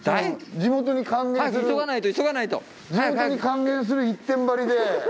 地元に還元する一点張りで。